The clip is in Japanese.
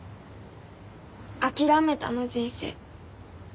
諦めたの人生。